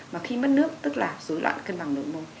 mà khi mất nước tức là rối loạn cân bằng nội môi